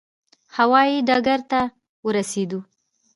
هوا یي ډګر ته ورسېدو.